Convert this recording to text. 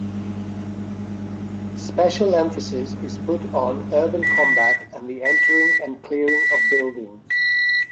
Special emphasis is put on urban combat and the entering and clearing of buildings.